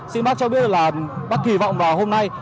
xin bác cho biết là bác kỳ vọng vào hôm nay